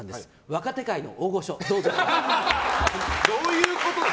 若手界の大御所、どうぞみたいな。